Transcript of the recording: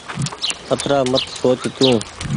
اترآ مت سوچ تو۔